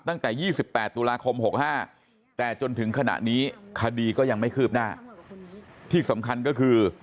ตั้งแต่๒๘ตุลาคม๖๕แต่จนถึงขณะนี้คดีก็ยังไม่คืบหน้าที่สำคัญก็คือ